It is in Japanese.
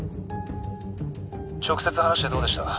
直接話してどうでした？